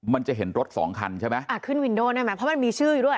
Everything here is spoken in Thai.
มันจะเห็นรถสองคันใช่ไหมอ่าขึ้นวินโดได้ไหมเพราะมันมีชื่ออยู่ด้วย